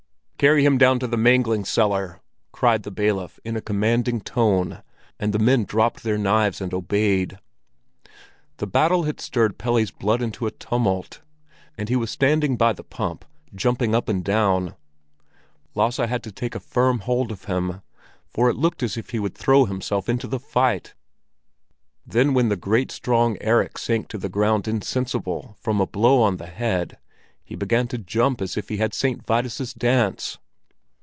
"Carry him down to the mangling cellar!" cried the bailiff in a commanding tone, and the men dropped their knives and obeyed. The battle had stirred Pelle's blood into a tumult, and he was standing by the pump, jumping up and down. Lasse had to take a firm hold of him, for it looked as if he would throw himself into the fight. Then when the great strong Erik sank to the ground insensible from a blow on the head, he began to jump as if he had St. Vitus's Dance.